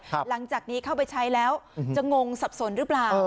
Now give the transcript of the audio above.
หลังจากนี้เข้าไปใช้แล้วจะงงสับสนหรือเปล่า